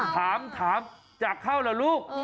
ถามถามจากเข้าเหรอลูก